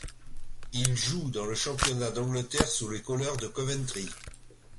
Il joue dans le championnat d'Angleterre sous les couleurs de Coventry.